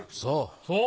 そう。